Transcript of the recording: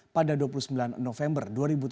pada dua puluh sembilan november dua ribu tujuh belas